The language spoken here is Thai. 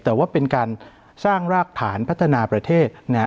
แต่ว่าเป็นการสร้างรากฐานพัฒนาประเทศนะครับ